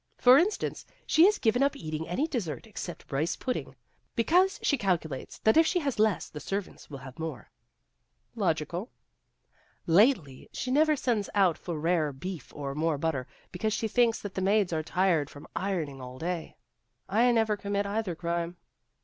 For in stance, she has given up eating any des sert except rice pudding, because she calculates that if she has less the servants will have more." " Logical." " Lately she never sends out for rare beef or more butter, because she thinks that the maids are tired from ironing all day." " I never commit either crime."